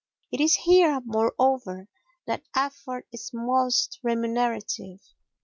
It is here, moreover, that effort is most remunerative.